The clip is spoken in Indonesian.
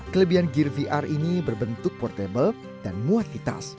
kelebihan gear vr ini berbentuk portable dan muat di tas